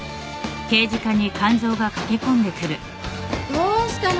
どうしたの？